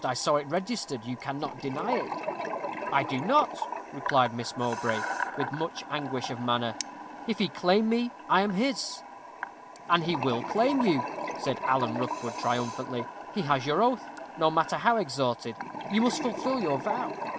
I saw it registered. You cannot deny it.' 'I do not,' replied Miss Mowbray, with much anguish of manner; 'if he claim me, I am his.' 'And he will claim you,' said Alan Rookwood, triumphantly. 'He has your oath, no matter how extorted you must fulfil your vow.'